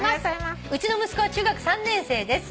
うちの息子は中学３年生です」